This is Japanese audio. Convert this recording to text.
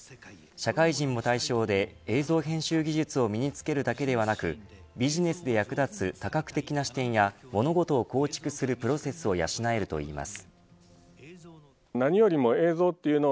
社会人も対象で、映像編集技術を身につけるだけではなくビジネスで役立つ多角的な視点や物事を構築するプロセスを養えるといいます。